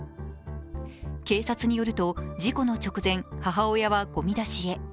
警察によると、事故の直前母親はごみ出しへ。